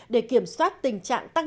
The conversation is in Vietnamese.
để kiểm soát tình trạng tăng trưởng